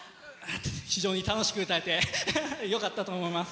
非常に楽しく歌えてよかったと思います。